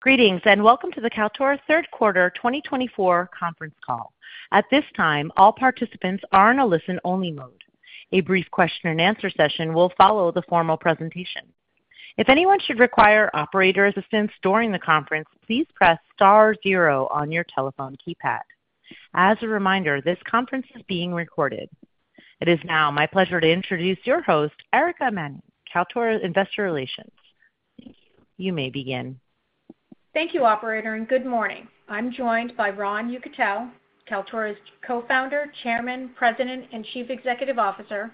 Greetings and welcome to the Kaltura Third Quarter 2024 conference call. At this time, all participants are in a listen-only mode. A brief question-and-answer session will follow the formal presentation. If anyone should require operator assistance during the conference, please press star zero on your telephone keypad. As a reminder, this conference is being recorded. It is now my pleasure to introduce your host, Erica Mannion, Kaltura Investor Relations. You may begin. Thank you, Operator, and good morning. I'm joined by Ron Yekutiel, Kaltura's Co-founder, Chairman, President, and Chief Executive Officer,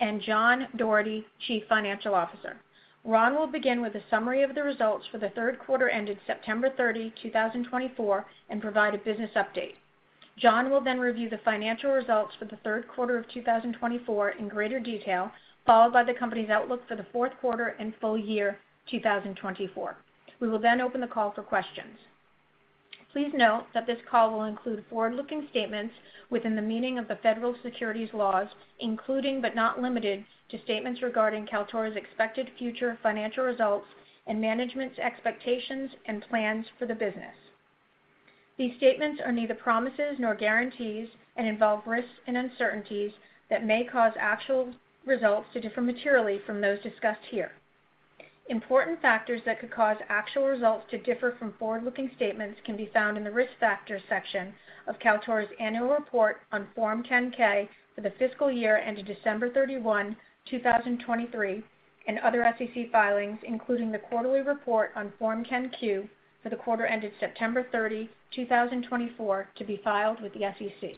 and John Doherty, Chief Financial Officer. Ron will begin with a summary of the results for the third quarter ended September 30, 2024, and provide a business update. John will then review the financial results for the third quarter of 2024 in greater detail, followed by the company's outlook for the fourth quarter and full year 2024. We will then open the call for questions. Please note that this call will include forward-looking statements within the meaning of the federal securities laws, including but not limited to statements regarding Kaltura's expected future financial results and management's expectations and plans for the business. These statements are neither promises nor guarantees and involve risks and uncertainties that may cause actual results to differ materially from those discussed here. Important factors that could cause actual results to differ from forward-looking statements can be found in the risk factors section of Kaltura's annual report on Form 10-K for the fiscal year ended December 31, 2023, and other SEC filings, including the quarterly report on Form 10-Q for the quarter ended September 30, 2024, to be filed with the SEC.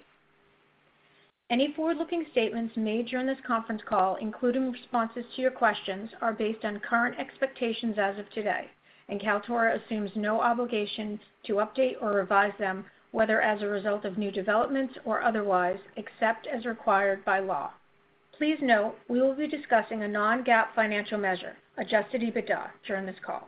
Any forward-looking statements made during this conference call, including responses to your questions, are based on current expectations as of today, and Kaltura assumes no obligation to update or revise them, whether as a result of new developments or otherwise, except as required by law. Please note we will be discussing a Non-GAAP financial measure, Adjusted EBITDA, during this call.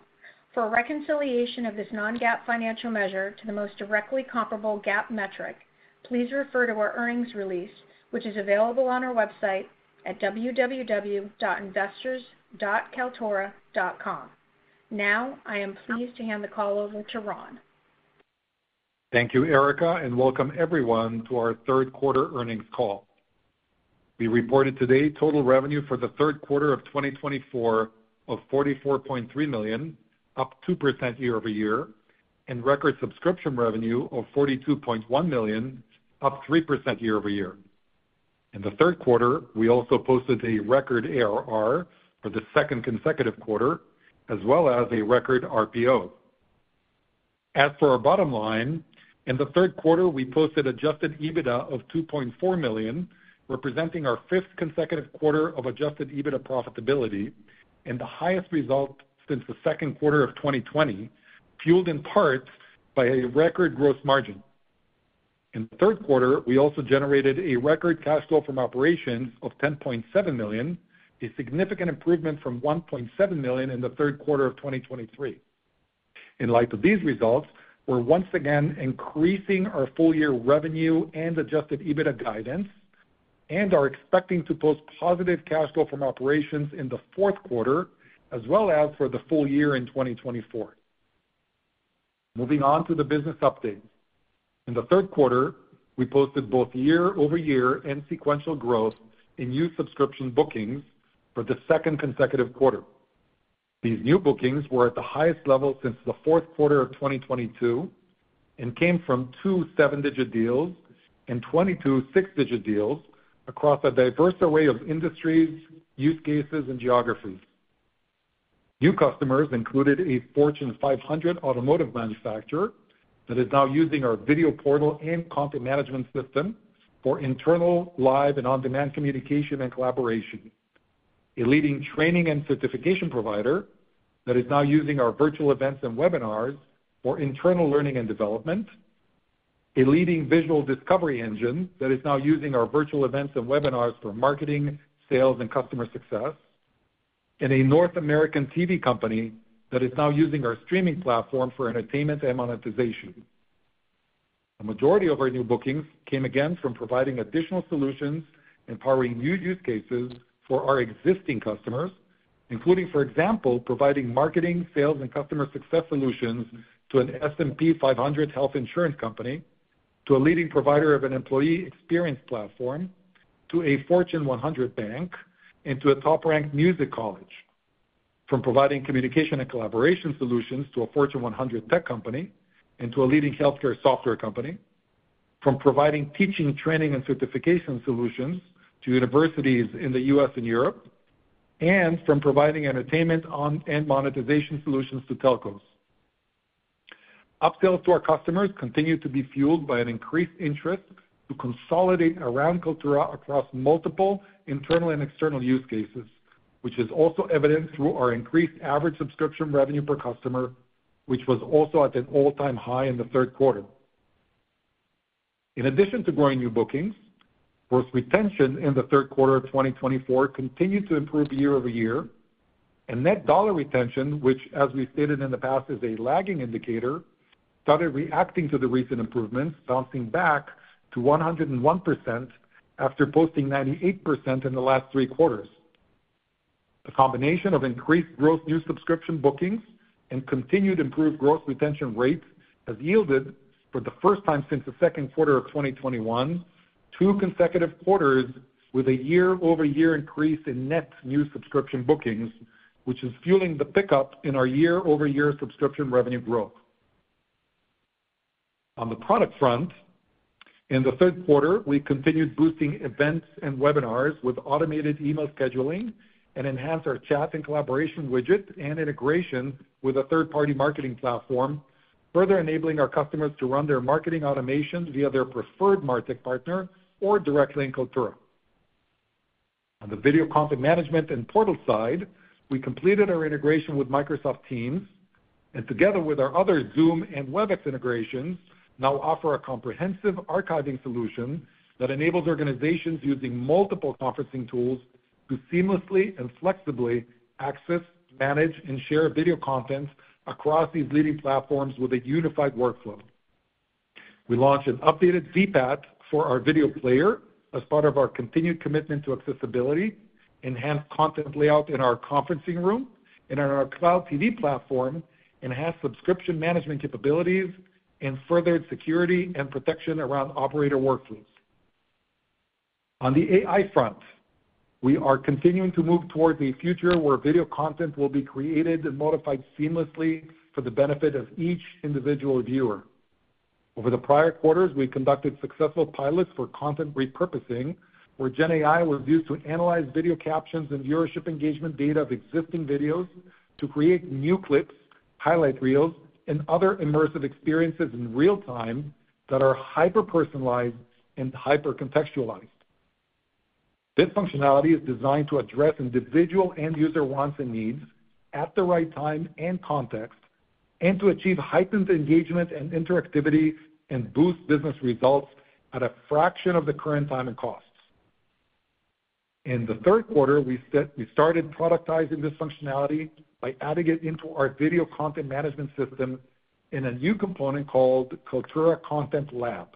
For reconciliation of this Non-GAAP financial measure to the most directly comparable GAAP metric, please refer to our earnings release, which is available on our website at www.investors.kaltura.com. Now, I am pleased to hand the call over to Ron. Thank you, Erica, and welcome everyone to our third quarter earnings call. We reported today total revenue for the third quarter of 2024 of $44.3 million, up 2% year over year, and record subscription revenue of $42.1 million, up 3% year over year. In the third quarter, we also posted a record ARR for the second consecutive quarter, as well as a record RPO. As for our bottom line, in the third quarter, we posted Adjusted EBITDA of $2.4 million, representing our fifth consecutive quarter of Adjusted EBITDA profitability, and the highest result since the second quarter of 2020, fueled in part by a record gross margin. In the third quarter, we also generated a record cash flow from operations of $10.7 million, a significant improvement from $1.7 million in the third quarter of 2023. In light of these results, we're once again increasing our full-year revenue and Adjusted EBITDA guidance, and are expecting to post positive cash flow from operations in the fourth quarter, as well as for the full year in 2024. Moving on to the business update. In the third quarter, we posted both year-over-year and sequential growth in new subscription bookings for the second consecutive quarter. These new bookings were at the highest level since the fourth quarter of 2022 and came from two seven-digit deals and 22 six-digit deals across a diverse array of industries, use cases, and geographies. New customers included a Fortune 500 automotive manufacturer that is now using our video portal and content management system for internal live and on-demand communication and collaboration, a leading training and certification provider that is now using our virtual events and webinars for internal learning and development, a leading visual discovery engine that is now using our virtual events and webinars for marketing, sales, and customer success, and a North American TV company that is now using our streaming platform for entertainment and monetization. The majority of our new bookings came again from providing additional solutions empowering new use cases for our existing customers, including, for example, providing marketing, sales, and customer success solutions to an S&P 500 health insurance company, to a leading provider of an employee experience platform, to a Fortune 100 bank, and to a top-ranked music college. From providing communication and collaboration solutions to a Fortune 100 tech company, and to a leading healthcare software company, from providing teaching, training, and certification solutions to universities in the U.S. and Europe, and from providing entertainment and monetization solutions to telcos. Upsells to our customers continue to be fueled by an increased interest to consolidate around Kaltura across multiple internal and external use cases, which is also evident through our increased average subscription revenue per customer, which was also at an all-time high in the third quarter. In addition to growing new bookings, gross retention in the third quarter of 2024 continued to improve year over year, and net dollar retention, which, as we've stated in the past, is a lagging indicator, started reacting to the recent improvements, bouncing back to 101% after posting 98% in the last three quarters. The combination of increased gross new subscription bookings and continued improved gross retention rates has yielded, for the first time since the second quarter of 2021, two consecutive quarters with a year-over-year increase in net new subscription bookings, which is fueling the pickup in our year-over-year subscription revenue growth. On the product front, in the third quarter, we continued boosting events and webinars with automated email scheduling and enhanced our chat and collaboration widget and integration with a third-party marketing platform, further enabling our customers to run their marketing automation via their preferred MarTech partner or directly in Kaltura. On the video content management and portal side, we completed our integration with Microsoft Teams, and together with our other Zoom and Webex integrations, now offer a comprehensive archiving solution that enables organizations using multiple conferencing tools to seamlessly and flexibly access, manage, and share video content across these leading platforms with a unified workflow. We launched an updated VPAT for our video player as part of our continued commitment to accessibility, enhanced content layout in our conferencing room, and on our cloud TV platform, enhanced subscription management capabilities, and furthered security and protection around operator workflows. On the AI front, we are continuing to move towards a future where video content will be created and modified seamlessly for the benefit of each individual viewer. Over the prior quarters, we conducted successful pilots for content repurposing, where GenAI was used to analyze video captions and viewership engagement data of existing videos to create new clips, highlight reels, and other immersive experiences in real time that are hyper-personalized and hyper-contextualized. This functionality is designed to address individual end-user wants and needs at the right time and context, and to achieve heightened engagement and interactivity and boost business results at a fraction of the current time and costs. In the third quarter, we started productizing this functionality by adding it into our video content management system in a new component called Kaltura Content Lab.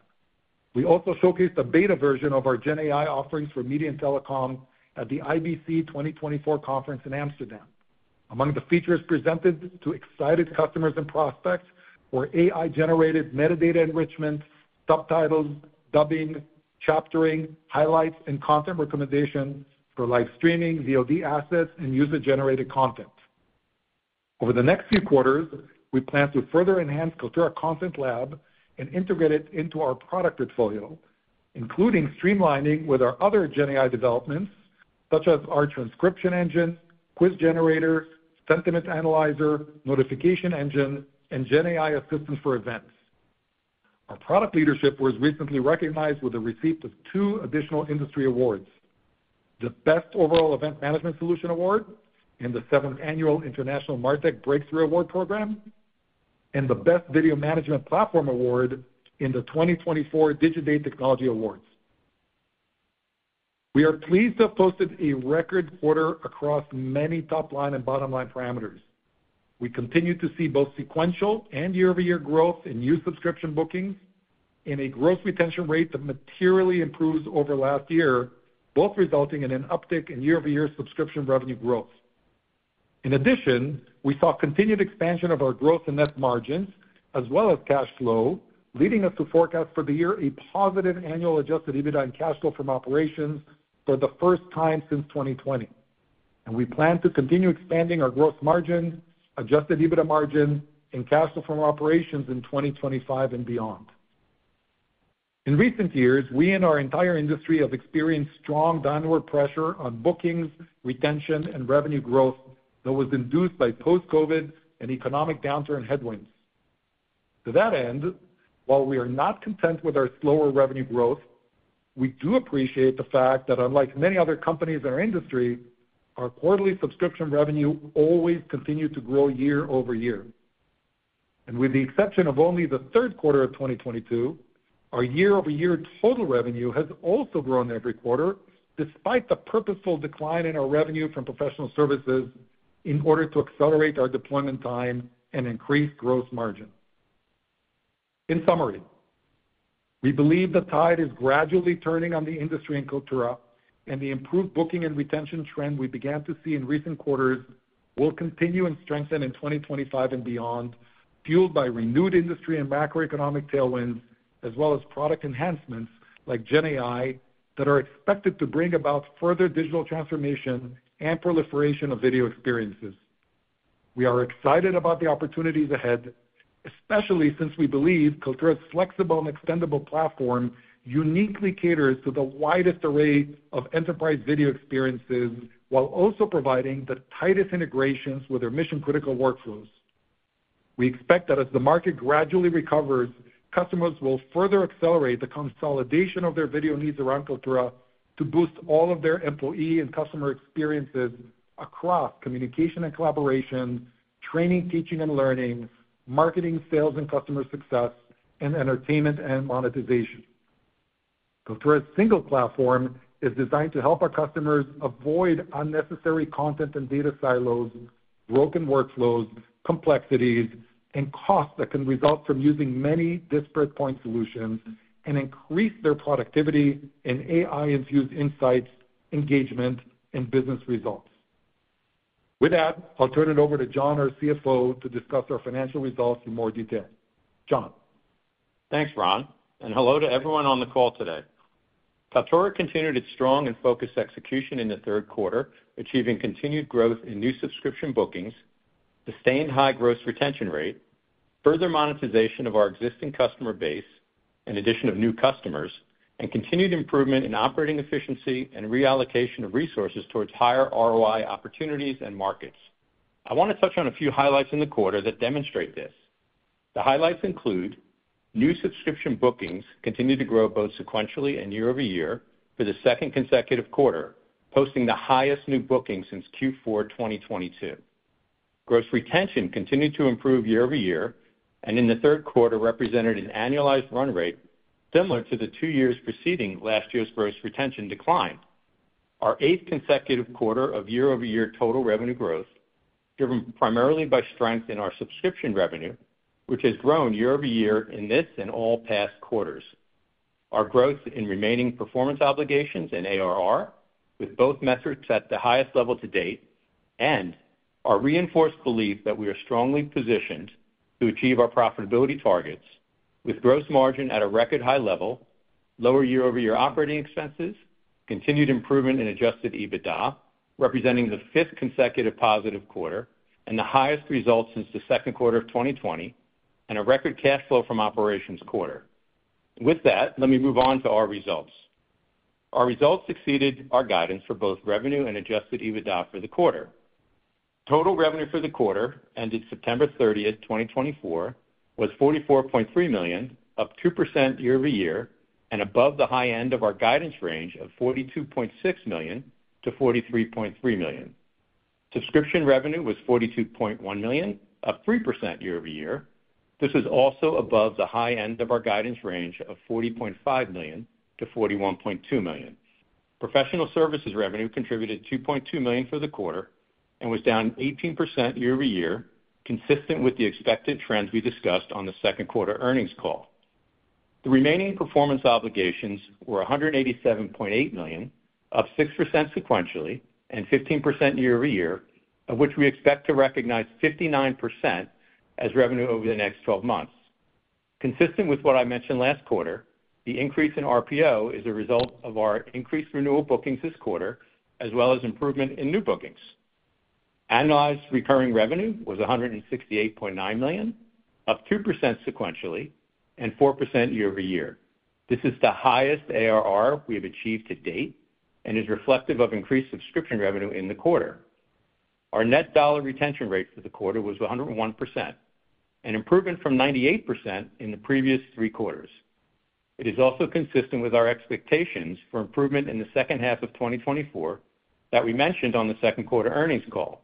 We also showcased a beta version of our GenAI offerings for media and telecom at the IBC 2024 conference in Amsterdam. Among the features presented to excited customers and prospects were AI-generated metadata enrichment, subtitles, dubbing, chaptering, highlights, and content recommendations for live streaming, VOD assets, and user-generated content. Over the next few quarters, we plan to further enhance Kaltura Content Lab and integrate it into our product portfolio, including streamlining with our other GenAI developments, such as our transcription engine, quiz generators, sentiment analyzer, notification engine, and GenAI assistance for events. Our product leadership was recently recognized with a receipt of two additional industry awards: the Best Overall Event Management Solution Award in the seventh annual International MarTech Breakthrough Award Program, and the Best Video Management Platform Award in the 2024 Digiday Technology Awards. We are pleased to have posted a record quarter across many top-line and bottom-line parameters. We continue to see both sequential and year-over-year growth in new subscription bookings and a gross retention rate that materially improves over last year, both resulting in an uptick in year-over-year subscription revenue growth. In addition, we saw continued expansion of our gross and net margins, as well as cash flow, leading us to forecast for the year a positive annual Adjusted EBITDA and cash flow from operations for the first time since 2020. We plan to continue expanding our gross margin, Adjusted EBITDA margin, and cash flow from operations in 2025 and beyond. In recent years, we and our entire industry have experienced strong downward pressure on bookings, retention, and revenue growth that was induced by post-COVID and economic downturn headwinds. To that end, while we are not content with our slower revenue growth, we do appreciate the fact that, unlike many other companies in our industry, our quarterly subscription revenue always continued to grow year over year. And with the exception of only the third quarter of 2022, our year-over-year total revenue has also grown every quarter, despite the purposeful decline in our revenue from professional services in order to accelerate our deployment time and increase gross margin. In summary, we believe the tide is gradually turning in the industry for Kaltura, and the improved booking and retention trend we began to see in recent quarters will continue and strengthen in 2025 and beyond, fueled by renewed industry and macroeconomic tailwinds, as well as product enhancements like GenAI that are expected to bring about further digital transformation and proliferation of video experiences. We are excited about the opportunities ahead, especially since we believe Kaltura's flexible and extendable platform uniquely caters to the widest array of enterprise video experiences while also providing the tightest integrations with our mission-critical workflows. We expect that as the market gradually recovers, customers will further accelerate the consolidation of their video needs around Kaltura to boost all of their employee and customer experiences across communication and collaboration, training, teaching, and learning, marketing, sales, and customer success, and entertainment and monetization. Kaltura's single platform is designed to help our customers avoid unnecessary content and data silos, broken workflows, complexities, and costs that can result from using many disparate point solutions and increase their productivity and AI-infused insights, engagement, and business results. With that, I'll turn it over to John, our CFO, to discuss our financial results in more detail. John. Thanks, Ron. And hello to everyone on the call today. Kaltura continued its strong and focused execution in the third quarter, achieving continued growth in new subscription bookings, sustained high gross retention rate, further monetization of our existing customer base and addition of new customers, and continued improvement in operating efficiency and reallocation of resources towards higher ROI opportunities and markets. I want to touch on a few highlights in the quarter that demonstrate this. The highlights include new subscription bookings continued to grow both sequentially and year-over-year for the second consecutive quarter, posting the highest new bookings since Q4 2022. Gross retention continued to improve year-over-year, and in the third quarter, represented an annualized run rate similar to the two years preceding last year's gross retention decline. Our eighth consecutive quarter of year-over-year total revenue growth, driven primarily by strength in our subscription revenue, which has grown year-over-year in this and all past quarters. Our growth in Remaining Performance Obligations and ARR, with both metrics at the highest level to date, and our reinforced belief that we are strongly positioned to achieve our profitability targets, with gross margin at a record high level, lower year-over-year operating expenses, continued improvement in Adjusted EBITDA, representing the fifth consecutive positive quarter, and the highest result since the second quarter of 2020, and a record cash flow from operations quarter. With that, let me move on to our results. Our results exceeded our guidance for both revenue and Adjusted EBITDA for the quarter. Total revenue for the quarter ended September 30, 2024, was $44.3 million, up 2% year-over-year, and above the high end of our guidance range of $42.6 million-$43.3 million. Subscription revenue was $42.1 million, up 3% year-over-year. This is also above the high end of our guidance range of $40.5 million-$41.2 million. Professional services revenue contributed $2.2 million for the quarter and was down 18% year-over-year, consistent with the expected trends we discussed on the second quarter earnings call. The remaining performance obligations were $187.8 million, up 6% sequentially and 15% year-over-year, of which we expect to recognize 59% as revenue over the next 12 months. Consistent with what I mentioned last quarter, the increase in RPO is a result of our increased renewal bookings this quarter, as well as improvement in new bookings. Annualized recurring revenue was $168.9 million, up 2% sequentially and 4% year-over-year. This is the highest ARR we have achieved to date and is reflective of increased subscription revenue in the quarter. Our net dollar retention rate for the quarter was 101%, an improvement from 98% in the previous three quarters. It is also consistent with our expectations for improvement in the second half of 2024 that we mentioned on the second quarter earnings call.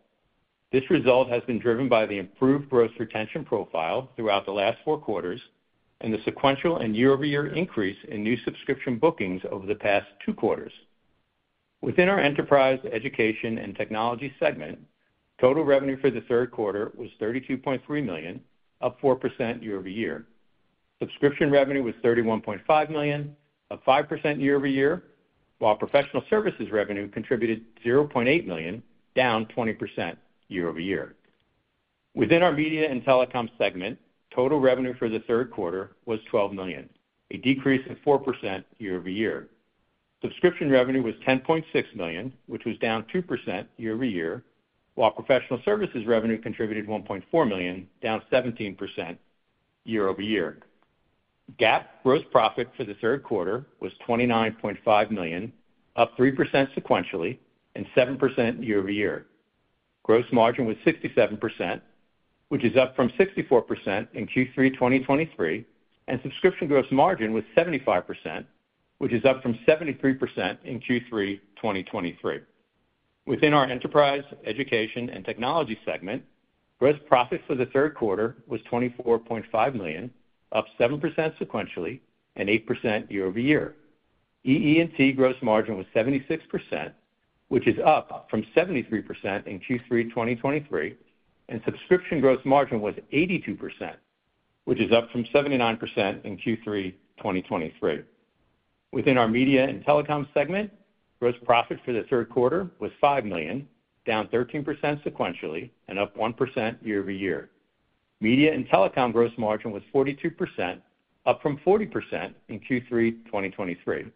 This result has been driven by the improved gross retention profile throughout the last four quarters and the sequential and year-over-year increase in new subscription bookings over the past two quarters. Within our enterprise, education, and technology segment, total revenue for the third quarter was $32.3 million, up 4% year-over-year. Subscription revenue was $31.5 million, up 5% year-over-year, while professional services revenue contributed $0.8 million, down 20% year-over-year. Within our media and telecom segment, total revenue for the third quarter was $12 million, a decrease of 4% year-over-year. Subscription revenue was $10.6 million, which was down 2% year-over-year, while professional services revenue contributed $1.4 million, down 17% year-over-year. GAAP gross profit for the third quarter was $29.5 million, up 3% sequentially and 7% year-over-year. Gross margin was 67%, which is up from 64% in Q3 2023, and subscription gross margin was 75%, which is up from 73% in Q3 2023. Within our enterprise, education, and technology segment, gross profit for the third quarter was $24.5 million, up 7% sequentially and 8% year-over-year. EE&T gross margin was 76%, which is up from 73% in Q3 2023, and subscription gross margin was 82%, which is up from 79% in Q3 2023. Within our media and telecom segment, gross profit for the third quarter was $5 million, down 13% sequentially and up 1% year-over-year. Media and telecom gross margin was 42%, up from 40% in Q3 2023,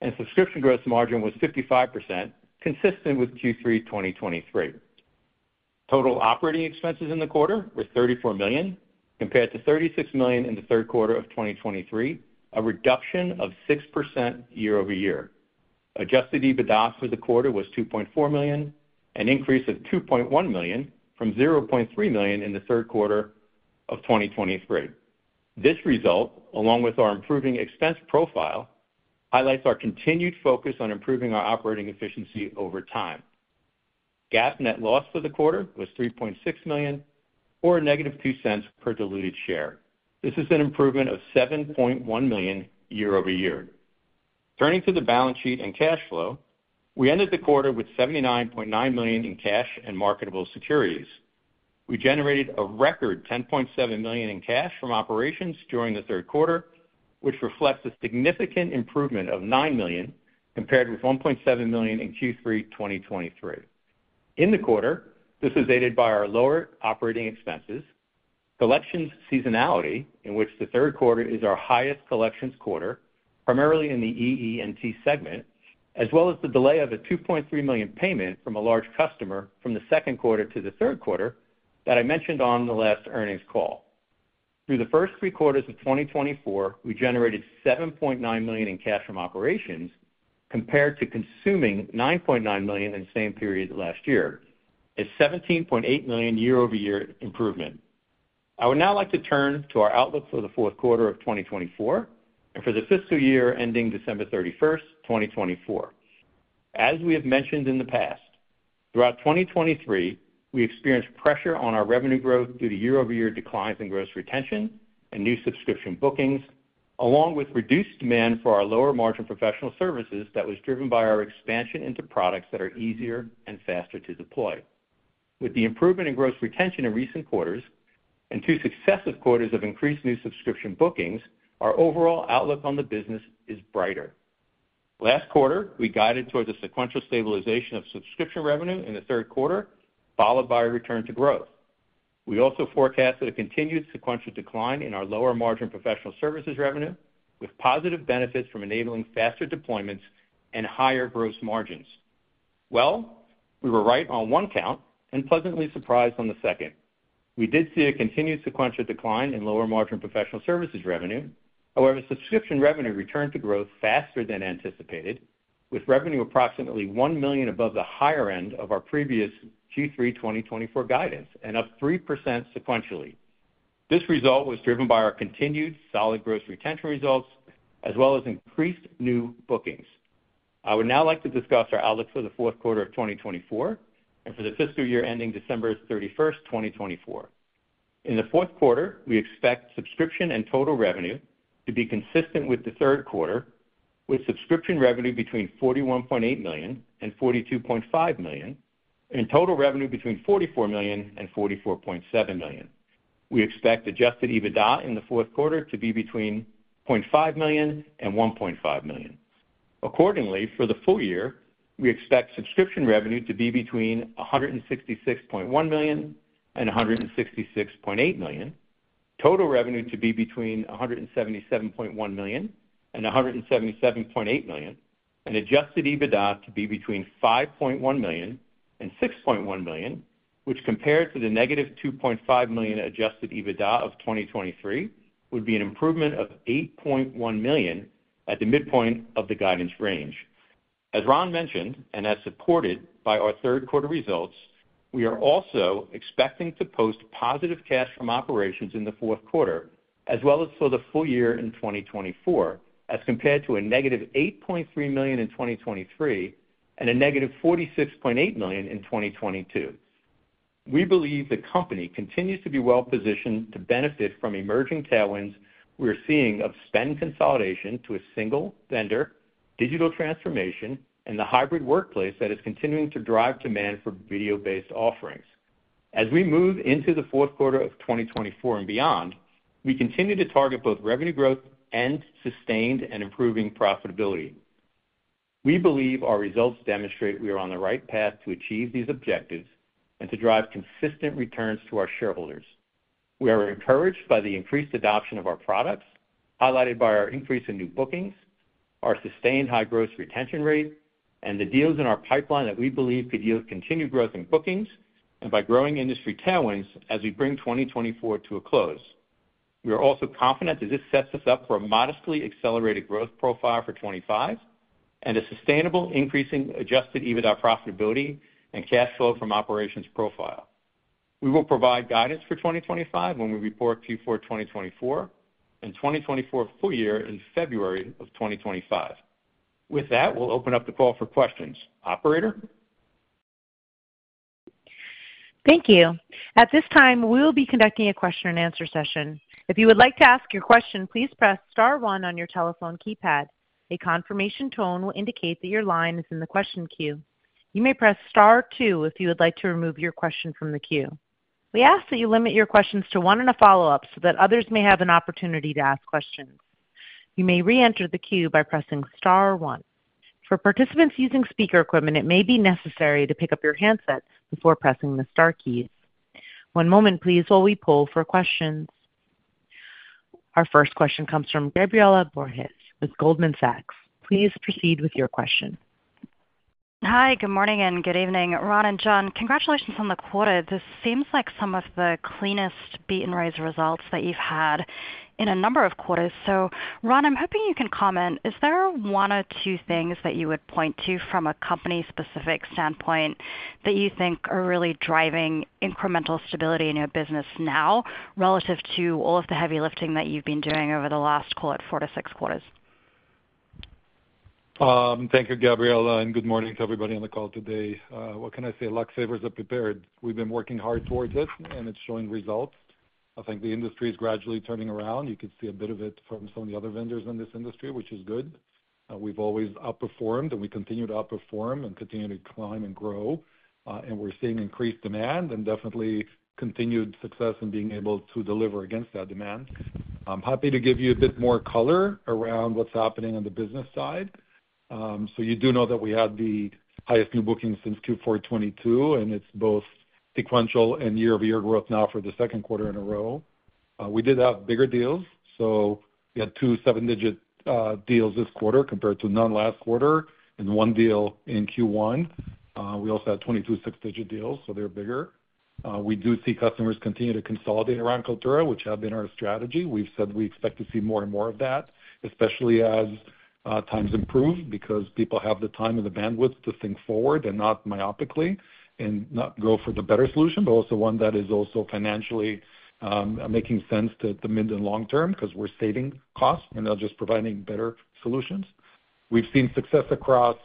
and subscription gross margin was 55%, consistent with Q3 2023. Total operating expenses in the quarter were $34 million, compared to $36 million in the third quarter of 2023, a reduction of 6% year-over-year. Adjusted EBITDA for the quarter was $2.4 million, an increase of $2.1 million from $0.3 million in the third quarter of 2023. This result, along with our improving expense profile, highlights our continued focus on improving our operating efficiency over time. GAAP net loss for the quarter was $3.6 million, or negative $0.02 per diluted share. This is an improvement of $7.1 million year-over-year. Turning to the balance sheet and cash flow, we ended the quarter with $79.9 million in cash and marketable securities. We generated a record $10.7 million in cash from operations during the third quarter, which reflects a significant improvement of $9 million compared with $1.7 million in Q3 2023. In the quarter, this is aided by our lower operating expenses, collections seasonality, in which the third quarter is our highest collections quarter, primarily in the EE&T segment, as well as the delay of a $2.3 million payment from a large customer from the second quarter to the third quarter that I mentioned on the last earnings call. Through the first three quarters of 2024, we generated $7.9 million in cash from operations compared to consuming $9.9 million in the same period last year, a $17.8 million year-over-year improvement. I would now like to turn to our outlook for the fourth quarter of 2024 and for the fiscal year ending December 31, 2024. As we have mentioned in the past, throughout 2023, we experienced pressure on our revenue growth due to year-over-year declines in gross retention and new subscription bookings, along with reduced demand for our lower margin professional services that was driven by our expansion into products that are easier and faster to deploy. With the improvement in gross retention in recent quarters and two successive quarters of increased new subscription bookings, our overall outlook on the business is brighter. Last quarter, we guided towards a sequential stabilization of subscription revenue in the third quarter, followed by a return to growth. We also forecasted a continued sequential decline in our lower margin professional services revenue, with positive benefits from enabling faster deployments and higher gross margins. We were right on one count and pleasantly surprised on the second. We did see a continued sequential decline in lower margin professional services revenue. However, subscription revenue returned to growth faster than anticipated, with revenue approximately $1 million above the higher end of our previous Q3 2024 guidance and up 3% sequentially. This result was driven by our continued solid gross retention results, as well as increased new bookings. I would now like to discuss our outlook for the fourth quarter of 2024 and for the fiscal year ending December 31, 2024. In the fourth quarter, we expect subscription and total revenue to be consistent with the third quarter, with subscription revenue between $41.8 million and $42.5 million, and total revenue between $44 million and $44.7 million. We expect Adjusted EBITDA in the fourth quarter to be between $0.5 million and $1.5 million. Accordingly, for the full year, we expect subscription revenue to be between $166.1 million and $166.8 million, total revenue to be between $177.1 million and $177.8 million, and Adjusted EBITDA to be between $5.1 million and $6.1 million, which, compared to the -$2.5 million Adjusted EBITDA of 2023, would be an improvement of $8.1 million at the midpoint of the guidance range. As Ron mentioned and as supported by our third quarter results, we are also expecting to post positive cash from operations in the fourth quarter, as well as for the full year in 2024, as compared to a -$8.3 million in 2023 and a -$46.8 million in 2022. We believe the company continues to be well-positioned to benefit from emerging tailwinds we are seeing of spend consolidation to a single vendor, digital transformation, and the hybrid workplace that is continuing to drive demand for video-based offerings. As we move into the fourth quarter of 2024 and beyond, we continue to target both revenue growth and sustained and improving profitability. We believe our results demonstrate we are on the right path to achieve these objectives and to drive consistent returns to our shareholders. We are encouraged by the increased adoption of our products, highlighted by our increase in new bookings, our sustained high gross retention rate, and the deals in our pipeline that we believe could yield continued growth in bookings and by growing industry tailwinds as we bring 2024 to a close. We are also confident that this sets us up for a modestly accelerated growth profile for 2025 and a sustainable increase in Adjusted EBITDA profitability and cash flow from operations profile. We will provide guidance for 2025 when we report Q4 2024 and 2024 full year in February of 2025. With that, we'll open up the call for questions. Operator? Thank you. At this time, we'll be conducting a question-and-answer session. If you would like to ask your question, please press Star 1 on your telephone keypad. A confirmation tone will indicate that your line is in the question queue. You may press Star 2 if you would like to remove your question from the queue. We ask that you limit your questions to one and a follow-up so that others may have an opportunity to ask questions. You may re-enter the queue by pressing Star 1. For participants using speaker equipment, it may be necessary to pick up your handset before pressing the Star keys. One moment, please, while we pull for questions. Our first question comes from Gabriella Borges with Goldman Sachs. Please proceed with your question. Hi, good morning and good evening, Ron and John. Congratulations on the quarter. This seems like some of the cleanest beat-and-raise results that you've had in a number of quarters. So, Ron, I'm hoping you can comment. Is there one or two things that you would point to from a company-specific standpoint that you think are really driving incremental stability in your business now relative to all of the heavy lifting that you've been doing over the last, call it, four to six quarters? Thank you, Gabriella, and good morning to everybody on the call today. What can I say? Luck favors the prepared. We've been working hard towards it, and it's showing results. I think the industry is gradually turning around. You can see a bit of it from some of the other vendors in this industry, which is good. We've always outperformed, and we continue to outperform and continue to climb and grow, and we're seeing increased demand and definitely continued success in being able to deliver against that demand. I'm happy to give you a bit more color around what's happening on the business side, so you do know that we had the highest new bookings since Q4 2022, and it's both sequential and year-over-year growth now for the second quarter in a row. We did have bigger deals, so we had two seven-digit deals this quarter compared to none last quarter and one deal in Q1. We also had 22 six-digit deals, so they're bigger. We do see customers continue to consolidate around Kaltura, which has been our strategy. We've said we expect to see more and more of that, especially as times improve because people have the time and the bandwidth to think forward and not myopically and not go for the better solution, but also one that is also financially making sense to the mid and long term because we're saving costs and not just providing better solutions. We've seen success across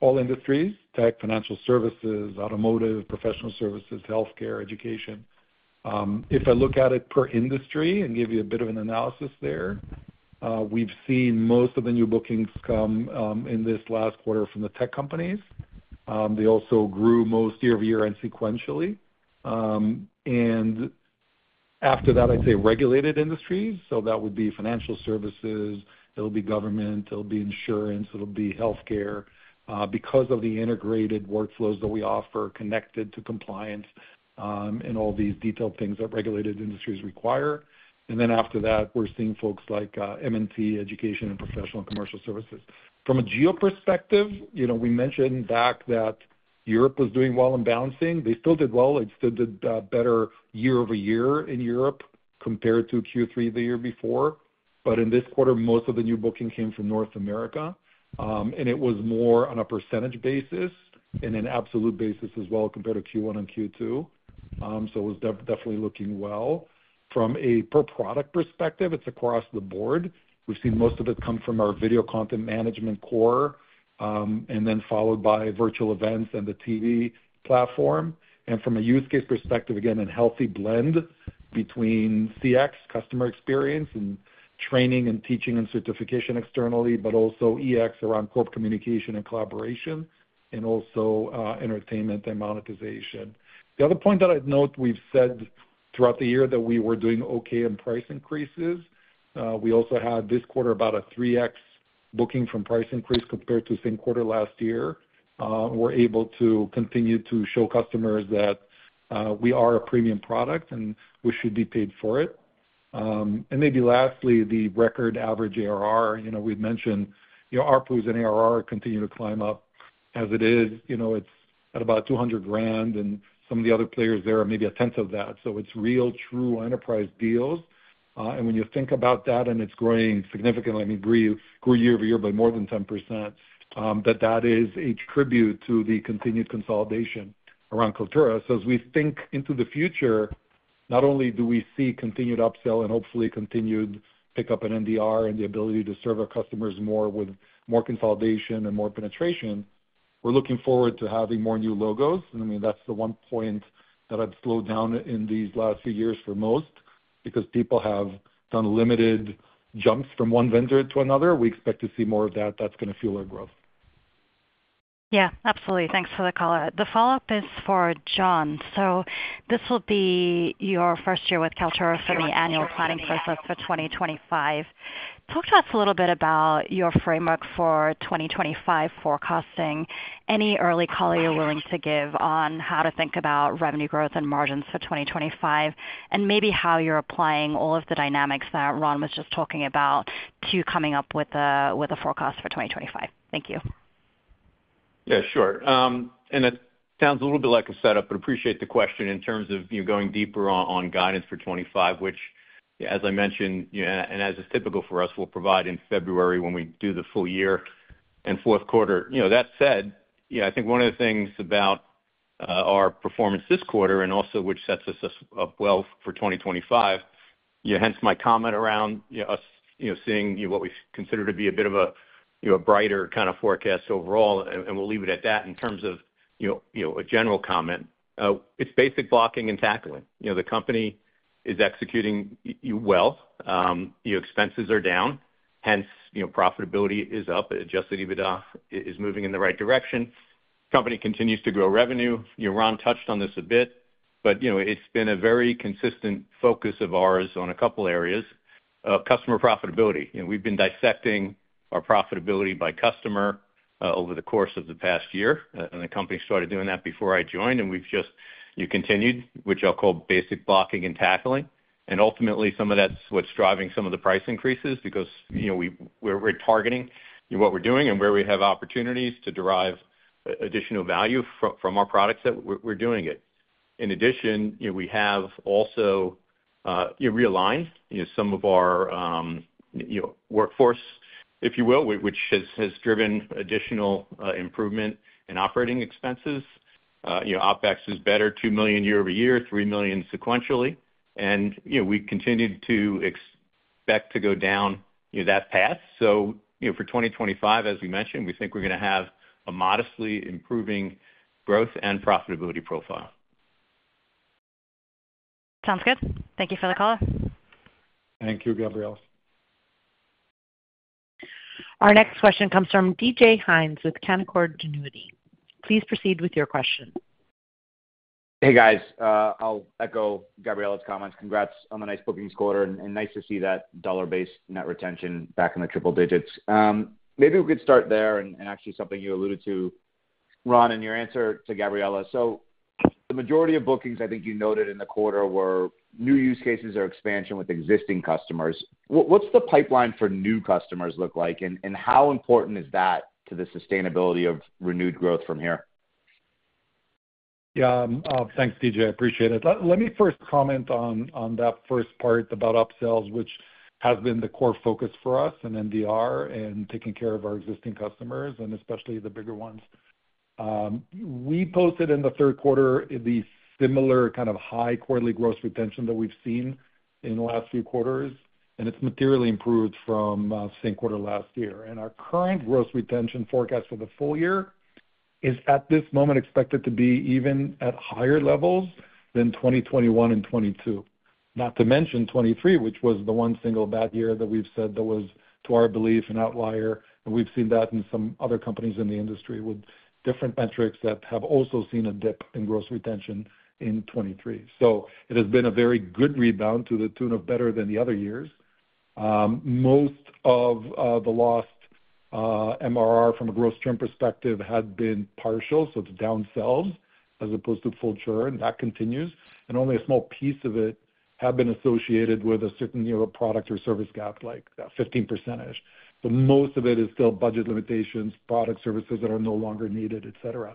all industries: tech, financial services, automotive, professional services, healthcare, education. If I look at it per industry and give you a bit of an analysis there, we've seen most of the new bookings come in this last quarter from the tech companies. They also grew most year-over-year and sequentially. And after that, I'd say regulated industries. So that would be financial services. It'll be government. It'll be insurance. It'll be healthcare because of the integrated workflows that we offer connected to compliance and all these detailed things that regulated industries require. And then after that, we're seeing folks like M&T, education, and professional commercial services. From a geo perspective, we mentioned back that Europe was doing well in balancing. They still did well. It still did better year-over-year in Europe compared to Q3 the year before. But in this quarter, most of the new booking came from North America, and it was more on a percentage basis and an absolute basis as well compared to Q1 and Q2. So it was definitely looking well. From a per-product perspective, it's across the board. We've seen most of it come from our video content management core and then followed by virtual events and the TV platform. And from a use case perspective, again, a healthy blend between CX, customer experience, and training and teaching and certification externally, but also EX around corporate communication and collaboration, and also entertainment and monetization. The other point that I'd note, we've said throughout the year that we were doing okay in price increases. We also had this quarter about a 3X booking from price increase compared to the same quarter last year. We're able to continue to show customers that we are a premium product and we should be paid for it. And maybe lastly, the record average ARR. We've mentioned ARPU continued to climb up as it is. It's at about $200,000, and some of the other players there are maybe a tenth of that. So it's real, true enterprise deals. When you think about that and it's growing significantly, I mean, grew year-over-year by more than 10%, that is a tribute to the continued consolidation around Kaltura. So as we think into the future, not only do we see continued upsell and hopefully continued pickup in NDR and the ability to serve our customers more with more consolidation and more penetration, we're looking forward to having more new logos. I mean, that's the one point that I've slowed down in these last few years for most because people have done limited jumps from one vendor to another. We expect to see more of that. That's going to fuel our growth. Yeah, absolutely. Thanks for the color. The follow-up is for John. This will be your first year with Kaltura for the annual planning process for 2025. Talk to us a little bit about your framework for 2025 forecasting, any early call you're willing to give on how to think about revenue growth and margins for 2025, and maybe how you're applying all of the dynamics that Ron was just talking about to coming up with a forecast for 2025. Thank you. Yeah, sure. And it sounds a little bit like a setup, but appreciate the question in terms of going deeper on guidance for 2025, which, as I mentioned, and as is typical for us, we'll provide in February when we do the full year and fourth quarter. That said, I think one of the things about our performance this quarter and also which sets us up well for 2025, hence my comment around us seeing what we consider to be a bit of a brighter kind of forecast overall, and we'll leave it at that in terms of a general comment. It's basic blocking and tackling. The company is executing well. Expenses are down. Hence, profitability is up. Adjusted EBITDA is moving in the right direction. The company continues to grow revenue. Ron touched on this a bit, but it's been a very consistent focus of ours on a couple of areas: customer profitability. We've been dissecting our profitability by customer over the course of the past year, and the company started doing that before I joined, and we've just continued, which I'll call basic blocking and tackling. And ultimately, some of that's what's driving some of the price increases because we're targeting what we're doing and where we have opportunities to derive additional value from our products that we're doing it. In addition, we have also realigned some of our workforce, if you will, which has driven additional improvement in operating expenses. OpEx is better: $2 million year-over-year, $3 million sequentially. And we continue to expect to go down that path. So for 2025, as we mentioned, we think we're going to have a modestly improving growth and profitability profile. Sounds good. Thank you for the color. Thank you, Gabriella. Our next question comes from David Hynes with Canaccord Genuity. Please proceed with your question. Hey, guys. I'll echo Gabriella's comments. Congrats on the nice bookings quarter, and nice to see that dollar-based net retention back in the triple digits. Maybe we could start there and actually something you alluded to, Ron, in your answer to Gabriella, so the majority of bookings, I think you noted in the quarter, were new use cases or expansion with existing customers. What's the pipeline for new customers look like, and how important is that to the sustainability of renewed growth from here? Yeah. Thanks, David. I appreciate it. Let me first comment on that first part about upsells, which has been the core focus for us in NDR and taking care of our existing customers, and especially the bigger ones. We posted in the third quarter the similar kind of high quarterly gross retention that we've seen in the last few quarters, and it's materially improved from the same quarter last year. Our current gross retention forecast for the full year is, at this moment, expected to be even at higher levels than 2021 and 2022, not to mention 2023, which was the one single bad year that we've said that was, to our belief, an outlier. We've seen that in some other companies in the industry with different metrics that have also seen a dip in gross retention in 2023. So it has been a very good rebound to the tune of better than the other years. Most of the lost MRR from a gross term perspective had been partial, so it's downsells as opposed to full churn, and that continues. Only a small piece of it has been associated with a certain product or service gap, like a 15%. But most of it is still budget limitations, product services that are no longer needed, etc.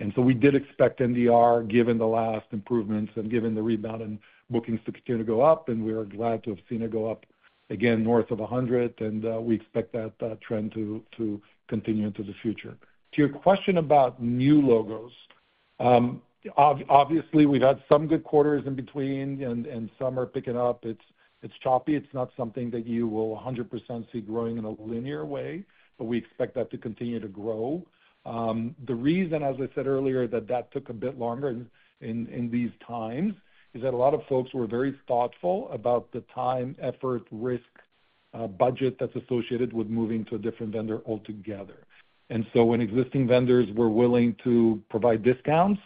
And so we did expect NDR, given the last improvements and given the rebound in bookings to continue to go up, and we are glad to have seen it go up again north of 100, and we expect that trend to continue into the future. To your question about new logos, obviously, we've had some good quarters in between, and some are picking up. It's choppy. It's not something that you will 100% see growing in a linear way, but we expect that to continue to grow. The reason, as I said earlier, that that took a bit longer in these times is that a lot of folks were very thoughtful about the time, effort, risk, budget that's associated with moving to a different vendor altogether. And so when existing vendors were willing to provide discounts,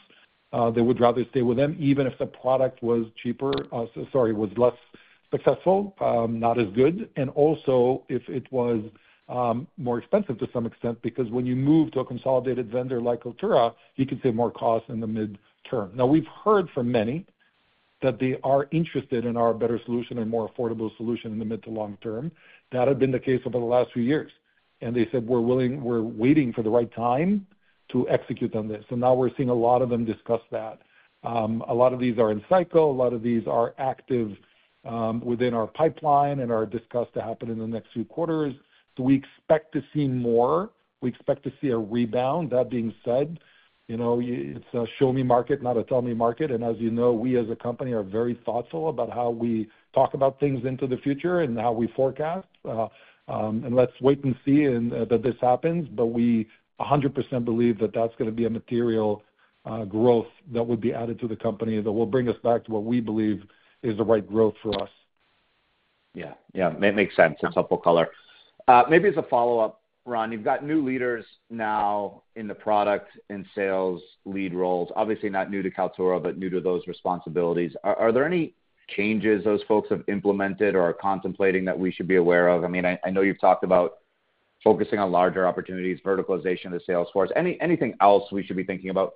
they would rather stay with them even if the product was cheaper, sorry, was less successful, not as good, and also if it was more expensive to some extent because when you move to a consolidated vendor like Kaltura, you can save more costs in the midterm. Now, we've heard from many that they are interested in our better solution and more affordable solution in the mid to long term. That had been the case over the last few years. And they said, "We're waiting for the right time to execute on this." And now we're seeing a lot of them discuss that. A lot of these are in cycle. A lot of these are active within our pipeline and are discussed to happen in the next few quarters. So we expect to see more. We expect to see a rebound. That being said, it's a show-me market, not a tell-me market. And as you know, we as a company are very thoughtful about how we talk about things into the future and how we forecast. And let's wait and see that this happens, but we 100% believe that that's going to be a material growth that would be added to the company that will bring us back to what we believe is the right growth for us. Yeah. Yeah. It makes sense. It's helpful color. Maybe as a follow-up, Ron, you've got new leaders now in the product and sales lead roles, obviously not new to Kaltura, but new to those responsibilities. Are there any changes those folks have implemented or are contemplating that we should be aware of? I mean, I know you've talked about focusing on larger opportunities, verticalization of the sales force. Anything else we should be thinking about?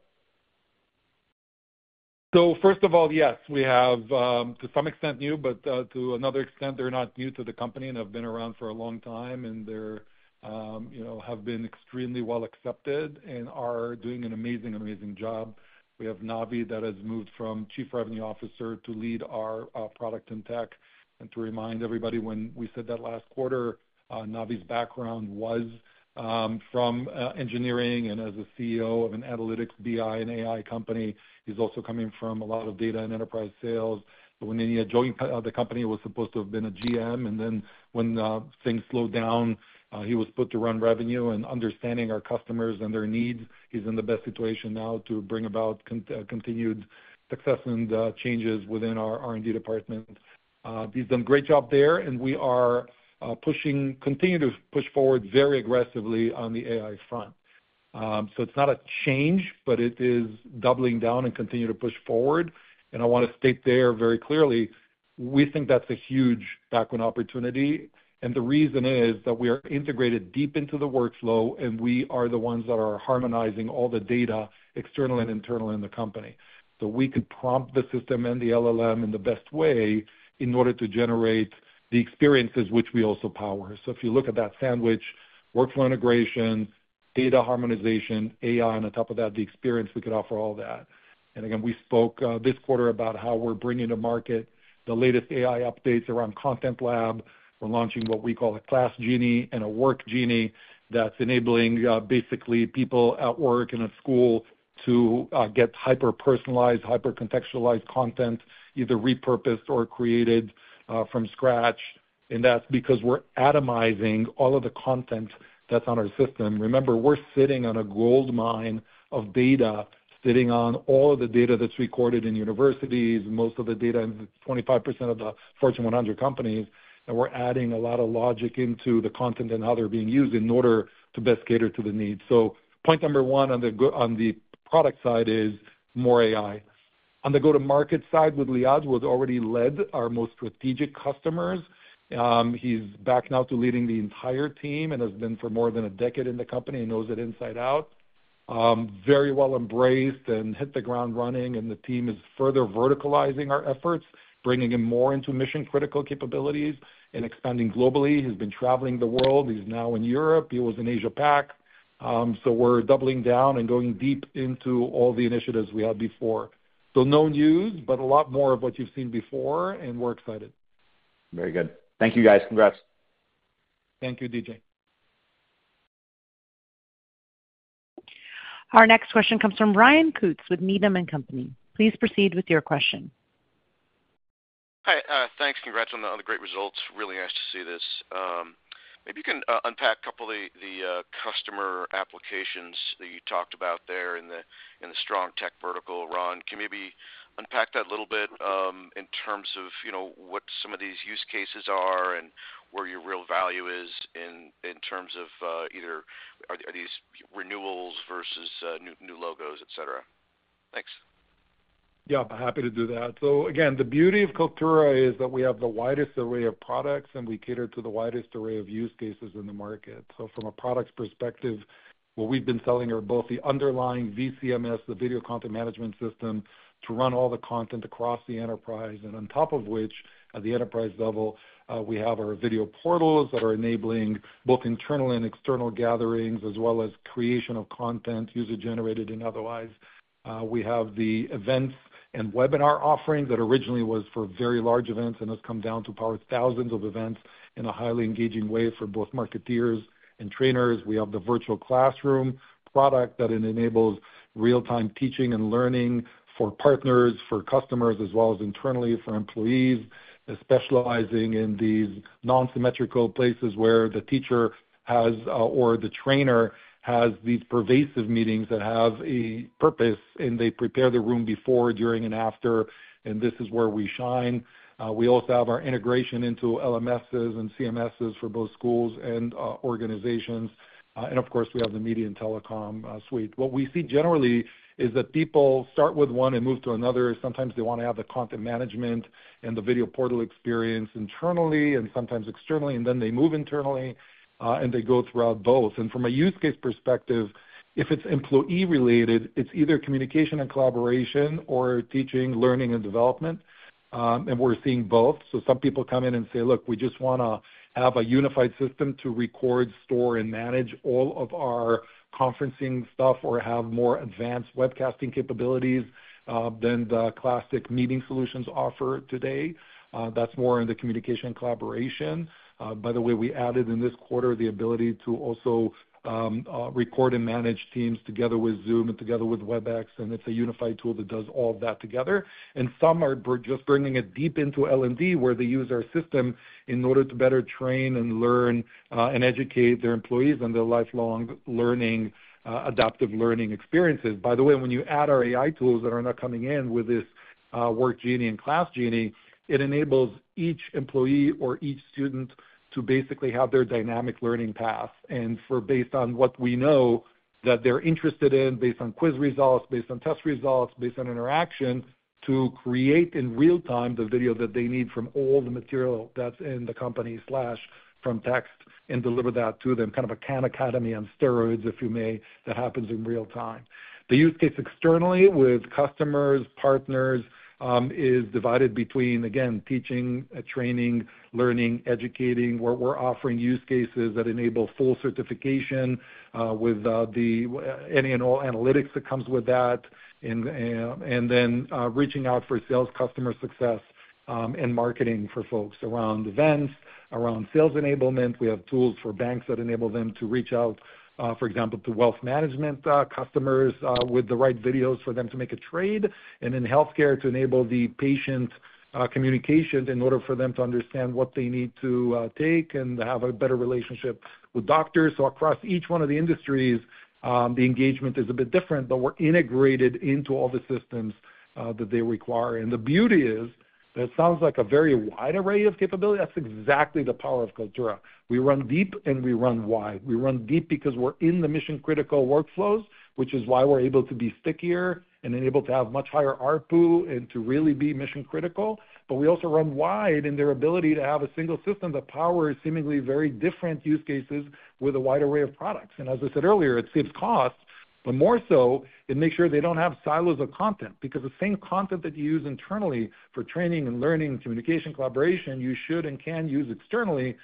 First of all, yes, we have to some extent new, but to another extent, they're not new to the company and have been around for a long time, and they have been extremely well accepted and are doing an amazing, amazing job. We have Navi that has moved from Chief Revenue Officer to lead our product and tech. And to remind everybody when we said that last quarter, Navi's background was from engineering and as a CEO of an analytics, BI, and AI company. He's also coming from a lot of data and enterprise sales. But when he joined the company, he was supposed to have been a GM. And then when things slowed down, he was put to run revenue and understanding our customers and their needs. He's in the best situation now to bring about continued success and changes within our R&D department. He's done a great job there, and we are continuing to push forward very aggressively on the AI front. So it's not a change, but it is doubling down and continuing to push forward. And I want to state there very clearly, we think that's a huge backward opportunity. And the reason is that we are integrated deep into the workflow, and we are the ones that are harmonizing all the data external and internal in the company. So we can prompt the system and the LLM in the best way in order to generate the experiences which we also power. If you look at that sandwich, workflow integration, data harmonization, AI, and on top of that, the experience, we could offer all that. Again, we spoke this quarter about how we're bringing to market the latest AI updates around Content Lab. We're launching what we call a Class Genie and a Work Genie that's enabling basically people at work and at school to get hyper-personalized, hyper-contextualized content, either repurposed or created from scratch. That's because we're atomizing all of the content that's on our system. Remember, we're sitting on a gold mine of data, sitting on all of the data that's recorded in universities, most of the data in 25% of the Fortune 100 companies, and we're adding a lot of logic into the content and how they're being used in order to best cater to the needs. So point number one on the product side is more AI. On the go-to-market side, with Liad, we've already led our most strategic customers. He's back now to leading the entire team and has been for more than a decade in the company and knows it inside out. Very well embraced and hit the ground running, and the team is further verticalizing our efforts, bringing him more into mission-critical capabilities and expanding globally. He's been traveling the world. He's now in Europe. He was in Asia-Pac. So we're doubling down and going deep into all the initiatives we had before. So no news, but a lot more of what you've seen before, and we're excited. Very good. Thank you, guys. Congrats. Thank you, David. Our next question comes from Ryan Koontz with Needham & Company. Please proceed with your question. Hi. Thanks. Congrats on the great results. Really nice to see this. Maybe you can unpack a couple of the customer applications that you talked about there in the strong tech vertical. Ron, can you maybe unpack that a little bit in terms of what some of these use cases are and where your real value is in terms of either are these renewals versus new logos, etc.? Thanks. Yeah. Happy to do that. So again, the beauty of Kaltura is that we have the widest array of products, and we cater to the widest array of use cases in the market. So from a product perspective, what we've been selling are both the underlying VCMS, the Video Content Management System, to run all the content across the enterprise. And on top of which, at the enterprise level, we have our video portals that are enabling both internal and external gatherings as well as creation of content, user-generated and otherwise. We have the events and webinar offering that originally was for very large events and has come down to power thousands of events in a highly engaging way for both marketers and trainers. We have the virtual classroom product that enables real-time teaching and learning for partners, for customers, as well as internally for employees, specializing in these non-symmetrical places where the teacher or the trainer has these pervasive meetings that have a purpose, and they prepare the room before, during, and after, and this is where we shine. We also have our integration into LMSs and CMSs for both schools and organizations. And of course, we have the media and telecom suite. What we see generally is that people start with one and move to another. Sometimes they want to have the content management and the video portal experience internally and sometimes externally, and then they move internally and they go throughout both. And from a use case perspective, if it's employee-related, it's either communication and collaboration or teaching, learning, and development. And we're seeing both. So some people come in and say, "Look, we just want to have a unified system to record, store, and manage all of our conferencing stuff or have more advanced webcasting capabilities than the classic meeting solutions offer today." That's more in the communication collaboration. By the way, we added in this quarter the ability to also record and manage Teams together with Zoom and together with Webex, and it's a unified tool that does all of that together. And some are just bringing it deep into L&D where they use our system in order to better train and learn and educate their employees and their lifelong learning, adaptive learning experiences. By the way, when you add our AI tools that are now coming in with this Work Genie and Class Genie, it enables each employee or each student to basically have their dynamic learning path. And based on what we know that they're interested in, based on quiz results, based on test results, based on interaction, to create in real time the video that they need from all the material that's in the company slash from text and deliver that to them, kind of a Khan Academy on steroids, if you may, that happens in real time. The use case externally with customers, partners is divided between, again, teaching, training, learning, educating. We're offering use cases that enable full certification with the end-to-end analytics that comes with that, and then reaching out for sales customer success and marketing for folks around events, around sales enablement. We have tools for banks that enable them to reach out, for example, to wealth management customers with the right videos for them to make a trade. And in healthcare, to enable the patient communications in order for them to understand what they need to take and have a better relationship with doctors. So across each one of the industries, the engagement is a bit different, but we're integrated into all the systems that they require. And the beauty is that it sounds like a very wide array of capability. That's exactly the power of Kaltura. We run deep and we run wide. We run deep because we're in the mission-critical workflows, which is why we're able to be stickier and able to have much higher RPU and to really be mission-critical. But we also run wide in their ability to have a single system that powers seemingly very different use cases with a wide array of products. And as I said earlier, it saves costs, but more so, it makes sure they don't have silos of content because the same content that you use internally for training and learning, communication, collaboration, you should and can use externally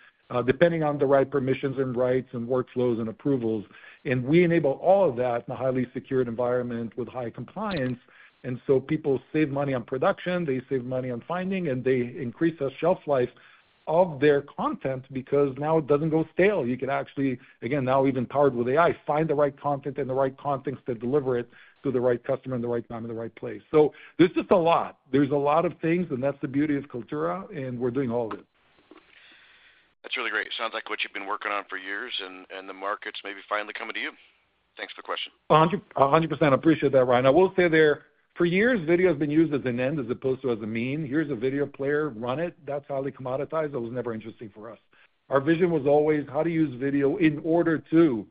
depending on the right permissions and rights and workflows and approvals. And we enable all of that in a highly secured environment with high compliance. And so people save money on production, they save money on finding, and they increase the shelf life of their content because now it doesn't go stale. You can actually, again, now even powered with AI, find the right content and the right contents to deliver it to the right customer in the right time and the right place. So there's just a lot. There's a lot of things, and that's the beauty of Kaltura, and we're doing all of it. That's really great. Sounds like what you've been working on for years, and the market's maybe finally coming to you. Thanks for the question. 100%. I appreciate that, Ryan. I will say there, for years, video has been used as an end as opposed to as a means. Here's a video player, run it. That's how they commoditize. That was never interesting for us. Our vision was always how to use video in order to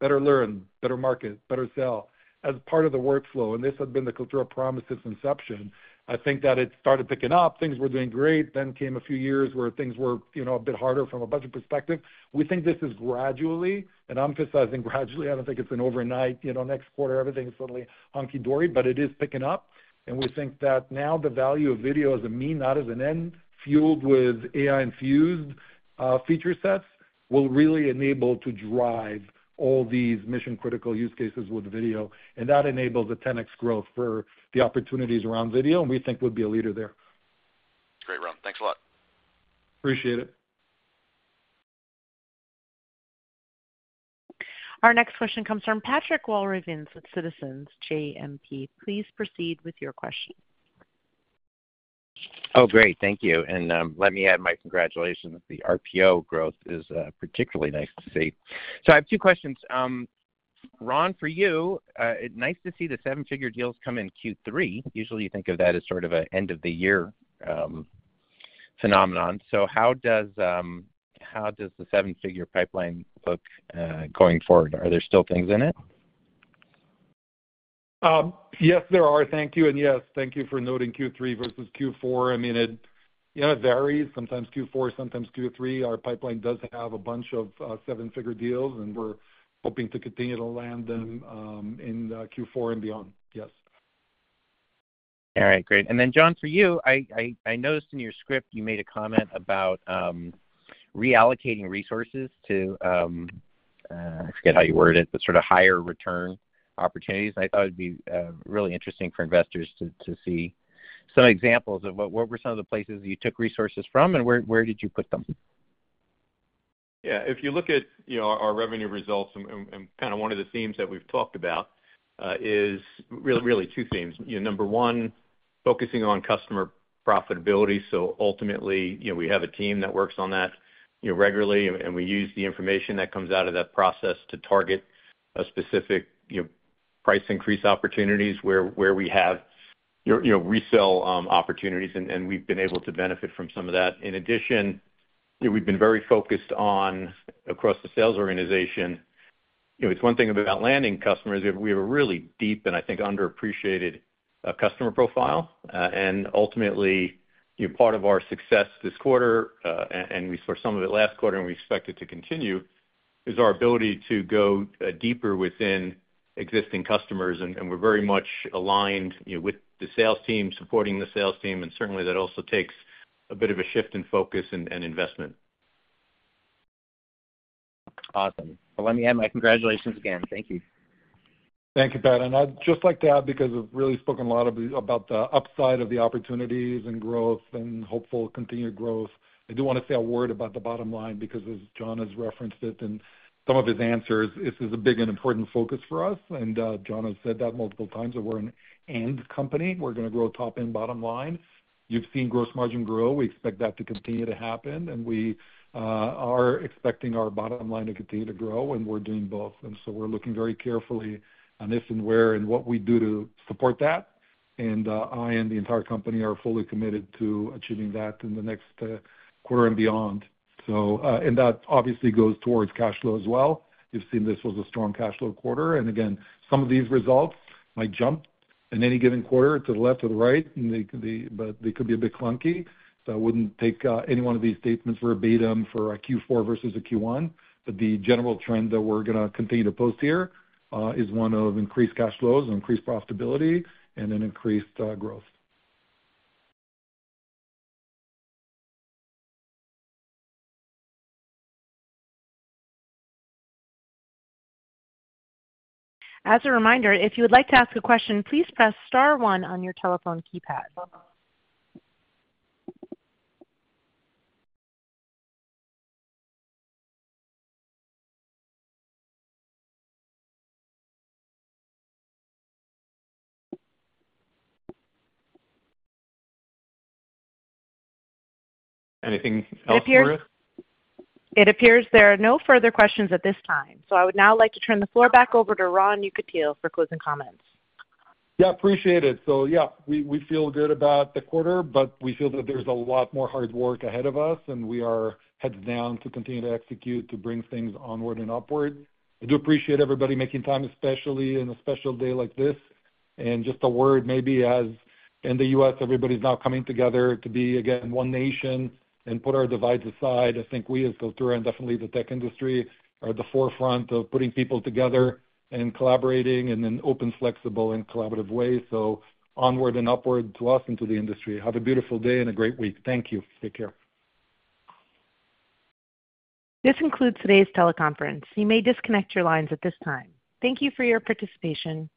better learn, better market, better sell as part of the workflow. And this had been the Kaltura promise's inception. I think that it started picking up. Things were doing great. Then came a few years where things were a bit harder from a budget perspective. We think this is gradually, and I'm emphasizing gradually. I don't think it's an overnight. Next quarter, everything is suddenly hunky dory, but it is picking up. We think that now the value of video as a mean, not as an end, fueled with AI-infused feature sets, will really enable to drive all these mission-critical use cases with video. That enables a 10x growth for the opportunities around video, and we think we'd be a leader there. Great, Ron. Thanks a lot. Appreciate it. Our next question comes from Patrick Walravens with Citizens JMP. Please proceed with your question. Oh, great. Thank you. Let me add my congratulations. The RPO growth is particularly nice to see. I have two questions. Ron, for you, it's nice to see the seven-figure deals come in Q3. Usually, you think of that as sort of an end-of-the-year phenomenon. So how does the seven-figure pipeline look going forward? Are there still things in it? Yes, there are. Thank you. And yes, thank you for noting Q3 versus Q4. I mean, it varies. Sometimes Q4, sometimes Q3. Our pipeline does have a bunch of seven-figure deals, and we're hoping to continue to land them in Q4 and beyond. Yes. All right. Great. And then, John, for you, I noticed in your script you made a comment about reallocating resources to, I forget how you worded it, but sort of higher return opportunities. And I thought it'd be really interesting for investors to see some examples of what were some of the places you took resources from and where did you put them? Yeah. If you look at our revenue results, and kind of one of the themes that we've talked about is really two themes. Number one, focusing on customer profitability. So ultimately, we have a team that works on that regularly, and we use the information that comes out of that process to target specific price increase opportunities where we have resale opportunities, and we've been able to benefit from some of that. In addition, we've been very focused on, across the sales organization, it's one thing about landing customers. We have a really deep and, I think, underappreciated customer profile. And ultimately, part of our success this quarter, and we saw some of it last quarter, and we expect it to continue, is our ability to go deeper within existing customers. And we're very much aligned with the sales team, supporting the sales team, and certainly, that also takes a bit of a shift in focus and investment. Awesome. Well, let me add my congratulations again. Thank you. Thank you, Pat. And I'd just like to add, because I've really spoken a lot about the upside of the opportunities and growth and hopeful continued growth, I do want to say a word about the bottom line because, as John has referenced it in some of his answers, this is a big and important focus for us. And John has said that multiple times that we're an AND company. We're going to grow top and bottom line. You've seen gross margin grow. We expect that to continue to happen, and we are expecting our bottom line to continue to grow, and we're doing both. We're looking very carefully on this and where and what we do to support that. I and the entire company are fully committed to achieving that in the next quarter and beyond. That obviously goes towards cash flow as well. You've seen this was a strong cash flow quarter. Again, some of these results might jump in any given quarter to the left or the right, but they could be a bit clunky. I wouldn't take any one of these statements verbatim for a Q4 versus a Q1. The general trend that we're going to continue to post here is one of increased cash flows, increased profitability, and then increased growth. As a reminder, if you would like to ask a question, please press star one on your telephone keypad. Anything else for us? It appears there are no further questions at this time. So I would now like to turn the floor back over to Ron Yekutiel for closing comments. Yeah. Appreciate it. So yeah, we feel good about the quarter, but we feel that there's a lot more hard work ahead of us, and we are heads down to continue to execute to bring things onward and upward. I do appreciate everybody making time, especially on a special day like this, and just a word, maybe as in the U.S., everybody's now coming together to be, again, one nation and put our divides aside. I think we as Kaltura and definitely the tech industry are at the forefront of putting people together and collaborating in an open, flexible, and collaborative way. So onward and upward to us and to the industry. Have a beautiful day and a great week. Thank you. Take care. This concludes today's teleconference. You may disconnect your lines at this time. Thank you for your participation.